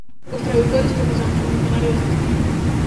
Os tradutores precisamos un dicionario deste estilo.